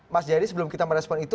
mas jary sebelum kita merespon itu